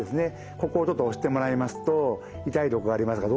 ここをちょっと押してもらいますと痛いとこがありますか？